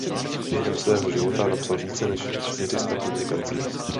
Během svého života napsal více než čtyři sta publikací.